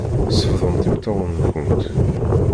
Sefḍemt imeṭṭawen-nkent.